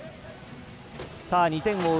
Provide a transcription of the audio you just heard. ２点を追う